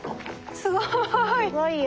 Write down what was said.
すごいよ。